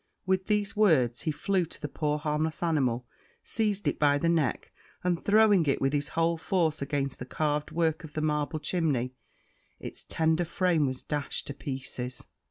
With these words he flew to the poor harmless animal, seized it by the neck, and throwing it with his whole force against the carved work of the marble chimney, it's tender frame was dashed to pieces.